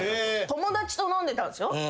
友達と飲んでたんですよ。